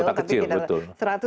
kota kecil betul